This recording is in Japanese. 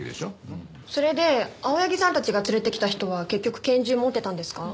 それで青柳さんたちが連れてきた人は結局拳銃持ってたんですか？